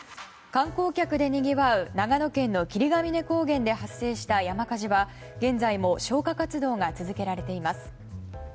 観光客でにぎわう長野県の霧ヶ峰高原で発生した山火事は現在も消火活動が続けられています。